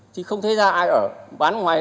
thì không thấy ra ai ở bán ngoài